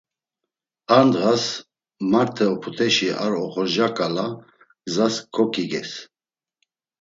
Ar ndğas marte oput̆eşi ar oxorca ǩala gzas koǩiges.